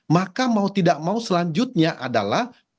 maka mau tidak mau selanjutnya adalah